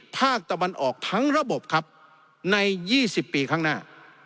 ภาคตะวันออกทั้งระบบครับใน๒๐ปีข้างหน้า